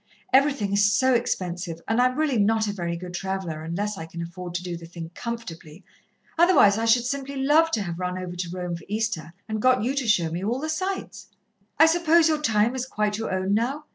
Everything is so expensive, and I'm really not a very good traveller unless I can afford to do the thing comfortably, otherwise I should simply love to have run over to Rome for Easter and got you to show me all the sights. "I suppose your time is quite your own now?